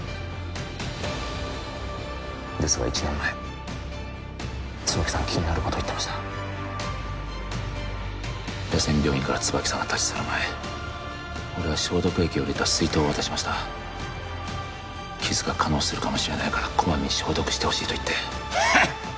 ですが１年前椿さん気になることを言ってました野戦病院から椿さんが立ち去る前俺は消毒液を入れた水筒を渡しました傷が化膿するかもしれないからこまめに消毒してほしいと言ってハッ！